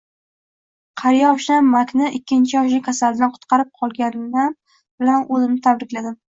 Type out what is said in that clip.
Qariya oshnam Makni ikkinchi yoshlik kasalidan qutqarib qolganim bilan o`zimni tabrikladim